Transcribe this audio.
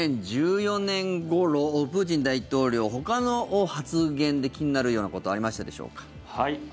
２０１４年ごろ、プーチン大統領ほかの発言で気になるようなことありましたでしょうか。